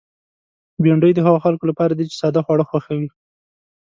بېنډۍ د هغو خلکو لپاره ده چې ساده خواړه خوښوي